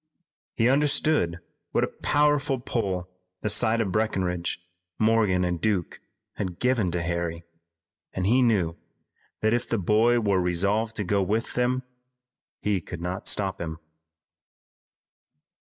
He understood what a powerful pull the sight of Breckinridge, Morgan and Duke had given to Harry, and he knew that if the boy were resolved to go with them he could not stop him.